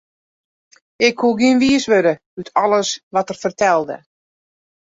Ik koe gjin wiis wurde út alles wat er fertelde.